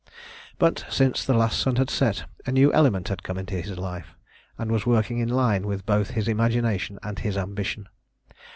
But since the last sun had set a new element had come into his life, and was working in line with both his imagination and his ambition.